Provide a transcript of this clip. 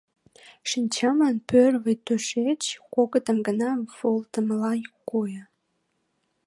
Шинчамлан пӧрвый тушеч кокытым гына волтымыла койо.